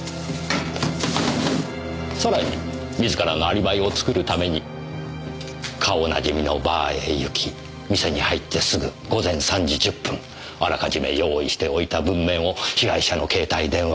さらに自らのアリバイを作るために顔なじみのバーへ行き店に入ってすぐ午前３時１０分あらかじめ用意しておいた文面を被害者の携帯電話から送り。